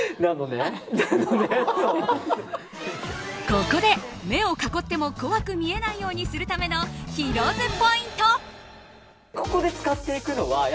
ここで、目を囲っても怖く見えないようにするためのヒロ’ｓポイント！